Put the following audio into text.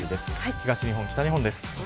東日本、北日本です。